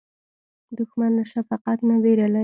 دښمن له شفقت نه وېره لري